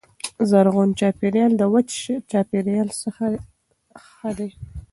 زرغون چاپیریال د وچ چاپیریال څخه ښه دی.